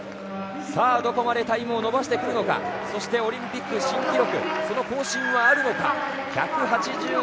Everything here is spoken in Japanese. どこまでタイムを伸ばしてくるのかそしてオリンピック新記録その更新はあるのか。